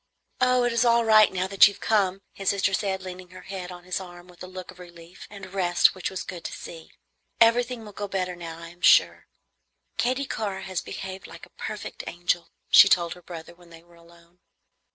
"Oh, it is all right now that you have come," his sister said, leaning her head on his arm with a look of relief and rest which was good to see. "Everything will go better now, I am sure." "Katy Carr has behaved like a perfect angel," she told her brother when they were alone.